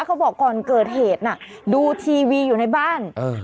เขาบอกก่อนเกิดเหตุน่ะดูทีวีอยู่ในบ้าน